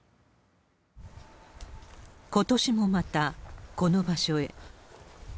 ことしもまたこの場所へ。